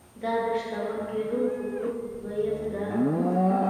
دا د شتمن کېدو پر لور دويم ګام دی.